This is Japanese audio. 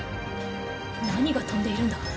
何が飛んでいるんだ？